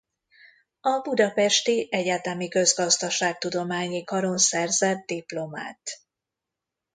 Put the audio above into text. A budapesti Egyetemi Közgazdaságtudományi Karon szerzett diplomát.